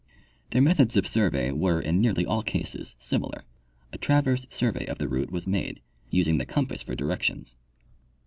Their methods of survey were, in nearly all cases, similar : A traverse survey of the route was made, using the compass for directions.